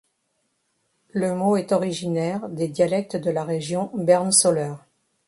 Le mot est originaire des dialectes de la région Berne-Soleure.